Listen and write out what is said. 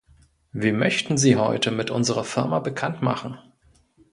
Wir möchten Sie heute mit unserer Firma bekanntmachen.